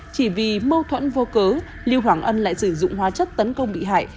chỉ vì mâu thuẫn vô cớ liêu hoàng ân lại sử dụng hóa chất tấn công bị hại